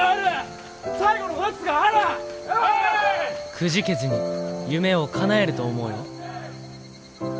「くじけずに夢をかなえると思うよ」。